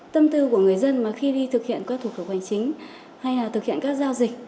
tâm tư của người dân mà khi đi thực hiện các thủ tục hoành chính hay là thực hiện các giao dịch